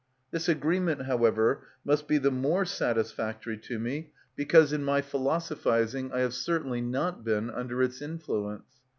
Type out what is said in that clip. This agreement, however, must be the more satisfactory to me because in my philosophising I have certainly not been under its influence.